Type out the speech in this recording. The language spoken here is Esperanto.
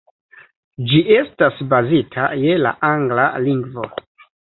Ĝi estas bazita je la angla lingvo.